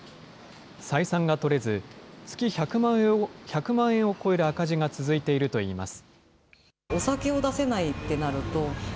採算が取れず、月１００万円を超える赤字が続いているといいます。